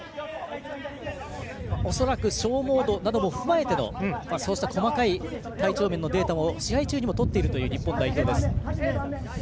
恐らく消耗度なども踏まえてのそうした細かい体調面のデータも試合中にもとっているという日本代表。